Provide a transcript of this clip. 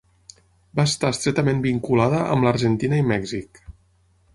Va estar estretament vinculada amb l'Argentina i Mèxic.